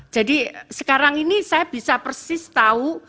jadi sekarang ini saya bisa persis tahu